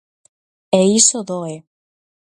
E iso doe.